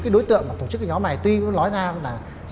đối tượng tổ chức nhóm này tuy nói ra